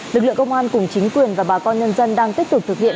lực lượng công an cùng chính quyền và bà con nhân dân đang tiếp tục thực hiện